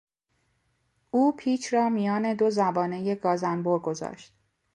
او پیچ را میان دو زبانهی گازانبر گذاشت.